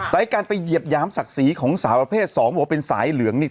แต่การไปเหยียบหยามศักดิ์ศรีของสาวประเภทสองบอกว่าเป็นสายเหลืองนี่